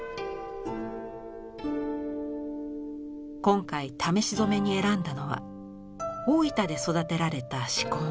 今回試し染めに選んだのは大分で育てられた紫根。